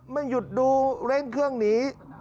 มันหยุดดูเล่นเครื่องนี้